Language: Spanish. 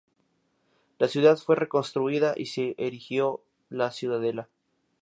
La ciudad fue reconstruida y se erigió la ciudadela.